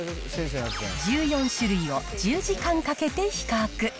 １４種類を１０時間かけて比較。